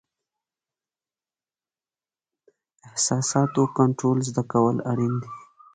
احساساتو کنټرول زده کول اړین دي.